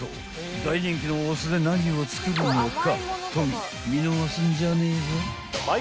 ［大人気のお酢で何を作るのか］